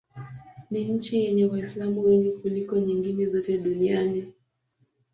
Ni nchi yenye Waislamu wengi kuliko nyingine zote duniani.